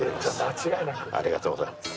ありがとうございます。